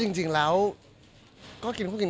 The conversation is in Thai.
มันต้องเป็นข้อมูล